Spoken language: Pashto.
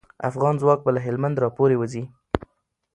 افغان ځواک به له هلمند راپوری وځي.